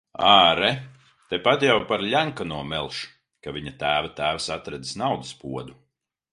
Āre, tepat jau par Ļenkano melš, ka viņa tēva tēvs atradis naudas podu.